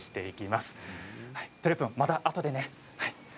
またあとでね。